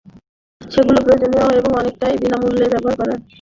যেগুলো প্রয়োজনীয় এবং অনেকটাই বিনা মূল্যে ব্যবহার করা যায় এসব সেবা।